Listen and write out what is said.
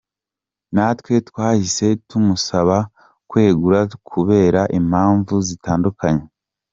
Natwe twahise tumusaba kwegura kubera impamvu zitandukanye.